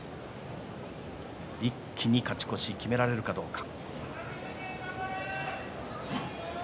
一気に勝ち越しを決められるかどうか。